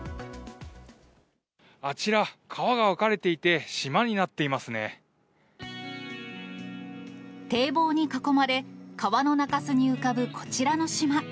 あちら、川が分かれていて、堤防に囲まれ、川の中州に浮かぶこちらの島。